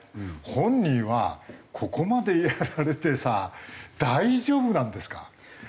本人はここまでやられてさ大丈夫なんですか？